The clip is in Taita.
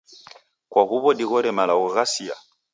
kwa huw'o dighore malagho ghasia?